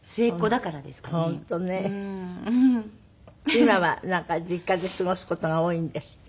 今はなんか実家で過ごす事が多いんですって？